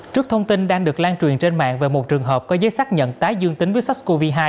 trước thông tin đang được lan truyền trên mạng về một trường hợp có giấy xác nhận tái dương tính với sars cov hai